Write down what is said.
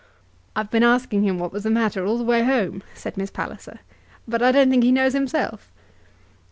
"I've been asking him what was the matter all the way home," said Miss Palliser, "but I don't think he knows himself."